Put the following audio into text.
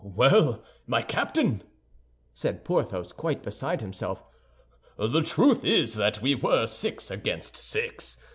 "Well, my Captain," said Porthos, quite beside himself, "the truth is that we were six against six.